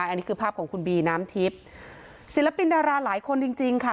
อันนี้คือภาพของคุณบีน้ำทิพย์ศิลปินดาราหลายคนจริงจริงค่ะ